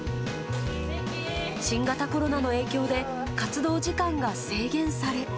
新型コロナの影響で、活動時間が制限され。